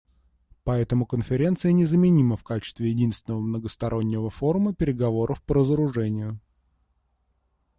Поэтому Конференция незаменима в качестве единственного многостороннего форума переговоров по разоружению.